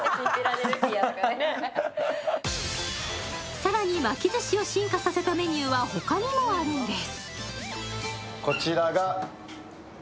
更に巻き寿司を進化させたメニューは他にもあるんです。